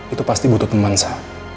itu pasti butuh teman sa